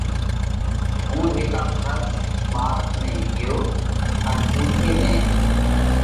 ھُون ھيڪا کرس (ٻارس) ۾ ڳيو ان اُوٿئہ مئين